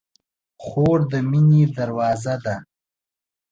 خور د مینې دروازه ده.